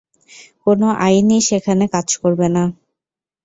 কোনো আইনই সেখানে কাজ করবে না।